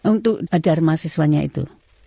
untuk darma siswanya itu